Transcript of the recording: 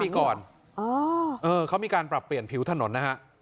ปีก่อนเขามีการปรับเปลี่ยนผิวถนนนะฮะ